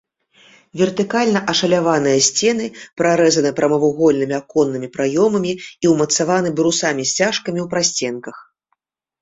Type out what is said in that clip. Вертыкальна ашаляваныя сцены прарэзаны прамавугольнымі аконнымі праёмамі і ўмацаваны брусамі-сцяжкамі ў прасценках.